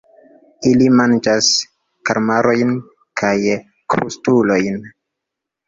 Ili manĝas kalmarojn kaj krustulojn.